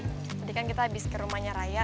tadi kan kita habis ke rumahnya raya